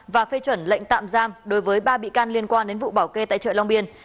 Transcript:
và phê chuẩn lệnh tạm giam đối với ba bị can liên quan đến vụ bảo kê tại chợ long biên